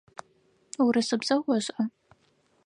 Урысыбзэ ошӏа?